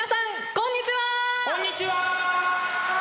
こんにちは！